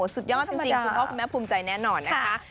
สุดยอดจริงคุณพ่อคุณแม่ภูมิใจแน่นอนนะคะ